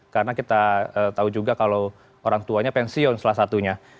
karena kita tahu juga kalau orang tuanya pensiun salah satunya